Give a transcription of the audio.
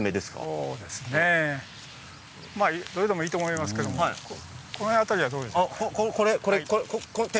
そうですねどれでもいいと思いますけれどこの辺りはどうでしょうか？